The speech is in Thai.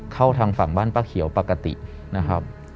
เข้าทางฝั่งบ้านป้าเขียวปกตินะครับ